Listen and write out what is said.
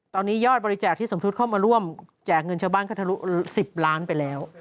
ตอนนี้ยอดบริจาคที่สมทุษย์เข้ามาร่วมแจกเงินชาวบ้านก็ทะลุ๑๐ล้านไปแล้ว